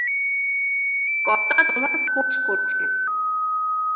কর্তা তোমার খোঁজ করছেন।